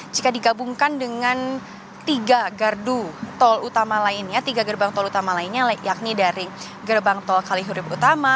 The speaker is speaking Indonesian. jika digabungkan dengan tiga gardu tol utama lainnya tiga gerbang tol utama lainnya yakni dari gerbang tol kalihurib utama